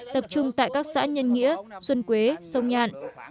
tập trung tại các xã nhân nghĩa xuân quế sông nhạn